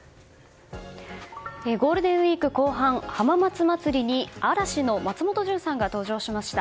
ゴールデンウィーク後半浜松まつりに嵐の松本潤さんが登場しました。